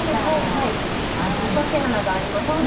落とし穴がありましたね。